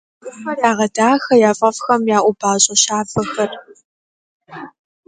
Волны ласкали берег, словно нежные поцелуи возлюбленных.